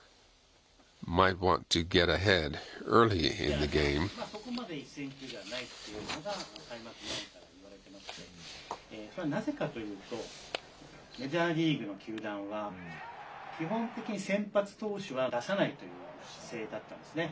ピッチャーがそこまで一線級じゃないというのが、開幕前から言われていまして、それはなぜかというと、メジャーリーグの球団は、基本的に先発投手は出さないという姿勢だったんですね。